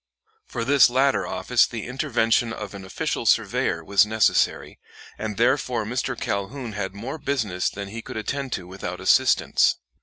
For this latter office the intervention of an official surveyor was necessary, and therefore Mr. Calhoun had more business than he could attend to without assistance.